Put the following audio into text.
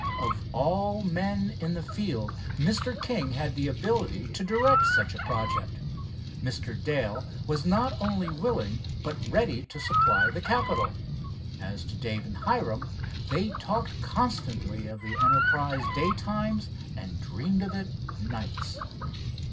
Of all men in the field, Mr. King had the ability to direct such a project. Mr. Dale was not only willing but ready to supply the capital. As to Dave and Hiram, they talked constantly of the enterprise daytimes and dreamed of it nights.